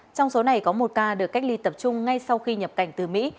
trong số này có một ca được cách ly tập trung ngay sau khi nhập cảnh từ mỹ